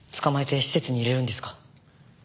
捕まえて施設に入れるんですか？